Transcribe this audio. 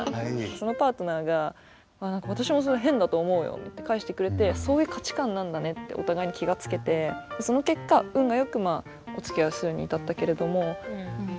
そのパートナーが「何か私もそれ変だと思うよ」って返してくれてそういう価値観なんだねってお互いに気が付けてその結果運がよくおつきあいをするに至ったけれども。